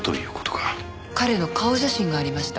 彼の顔写真がありました。